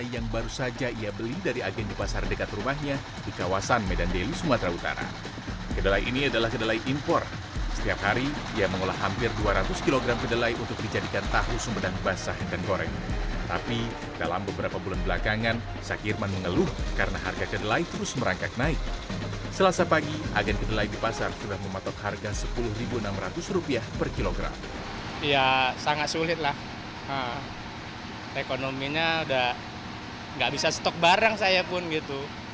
ya sangat sulit lah ekonominya udah gak bisa stok barang saya pun gitu